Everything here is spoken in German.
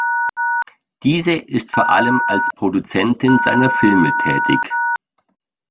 Diese ist vor allem als Produzentin seiner Filme tätig.